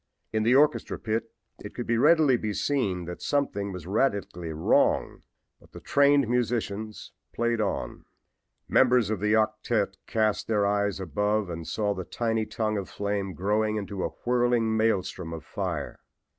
In the orchestra pit it could readily be seen that something was radically wrong, but the trained musicians played on. Members of the octette cast their eyes above and saw the tiny tongue of flame growing into a whirling maelstrom of fire.